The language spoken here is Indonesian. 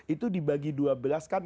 itu dibagi dua belas kan